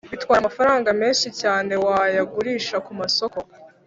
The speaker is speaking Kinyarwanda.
bitwara amafaranga menshi cyane, wayagurisha ku masoko